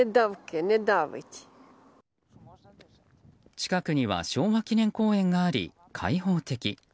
近くには昭和記念公園があり開放的。